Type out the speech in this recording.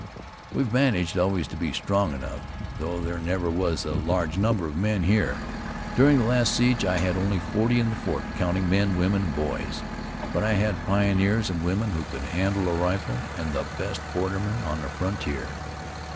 "We've managed always to be strong enough, though there never were a large number of men here. During the last siege I had only forty in the fort, counting men, women and boys. But I had pioneers and women who could handle a rifle, and the best bordermen on the frontier."